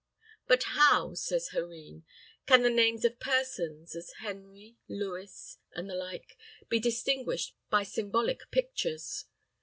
"But how," says Hereen, "can the names of persons, as Henry, Lewis, and the like, be distinguished by symbolic pictures?"